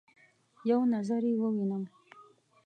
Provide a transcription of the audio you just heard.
یو نظر يې ووینم